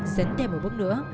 dấn thêm một bước nữa